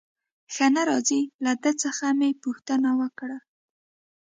ښه نه راځي، له ده څخه مې پوښتنه وکړل.